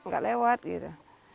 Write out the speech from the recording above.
gak lewat gitu